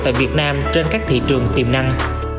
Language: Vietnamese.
tại việt nam trên các thị trường tiềm năng